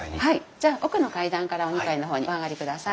じゃ奥の階段からお２階の方にお上がりください。